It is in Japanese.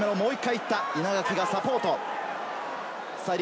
稲垣がサポート。